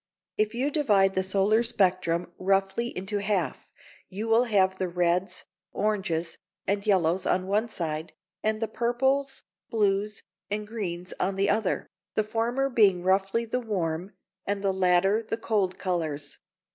If you divide the solar spectrum roughly into half, you will have the reds, oranges, and yellows on one side, and the purples, blues, and greens on the other, the former being roughly the warm and the latter the cold colours.